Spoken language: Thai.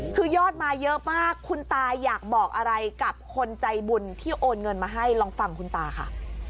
คือยอดมาเยอะมากคุณตาอยากบอกอะไรกับคนใจบุญที่โอนเงินมาให้ลองฟังคุณตาค่ะ